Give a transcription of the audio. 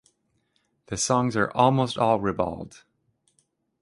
The songs are almost all ribald.